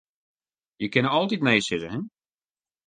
Je kinne altyd nee sizze, hin.